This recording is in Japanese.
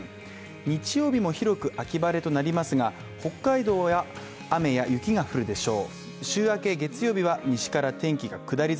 日曜日も広く秋晴れとなりますが、北海道は雨や雪が降るでしょう。